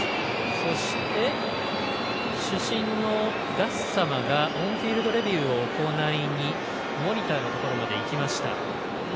そして主審のガッサマがオンフィールドレビューを行いにモニターのところに行きました。